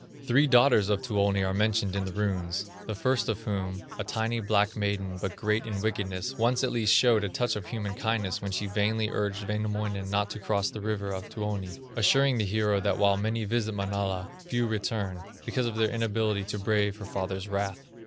Three daughters of Tuoni are mentioned in the runes, the first of whom, a tiny, black maiden, but great in wickedness, once at least showed a touch of human kindness when she vainly urged Wainamoinen not to cross the river of Tuoni, assuring the hero that while many visit Manala, few return, because of their inability to brave her father's wrath.